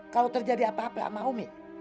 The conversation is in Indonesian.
kalau terjadi apa apa sama umi